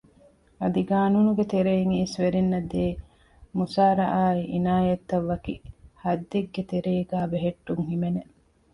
އަދި ޤާނޫނުގެ ތެރެއިން އިސްވެރިންނަށްދޭ މުސާރަ އާއި ޢިނާޔަތްތައް ވަކި ޙައްދެއްގެ ތެރޭގައި ބެހެއްޓުން ހިމެނެ